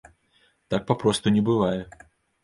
Так папросту не бывае!